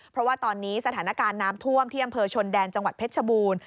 เพราะว่าตอนนี้สถานการณ์น้ำท่วมที่อำเภอชนแดนจังหวัดเพชรชบูรณ์